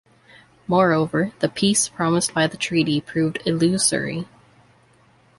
Moreover, the peace promised by the treaty proved illusory.